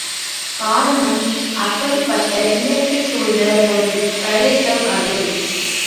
காரணம், அப்படிப்பட்ட இயற்கை சூழ்ந்த ஒரு பிரதேசம் அது.